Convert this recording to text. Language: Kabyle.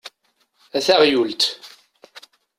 A taɣyult!